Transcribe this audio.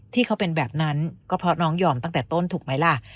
ที่เขาเป็นแบบนั้นก็เพราะน้องยอมตั้งแต่ต้นถูกไหมล่ะ